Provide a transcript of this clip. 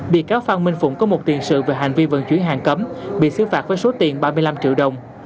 bị cáo phan minh phụng có một tiền sự về hành vi vận chuyển hàng cấm bị xứ phạt với số tiền ba mươi năm triệu đồng